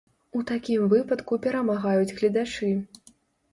У такім выпадку перамагаюць гледачы.